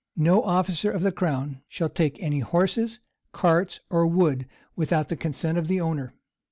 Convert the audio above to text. No officer of the crown shall take any horses, carts, or wood, without the consent of the owner.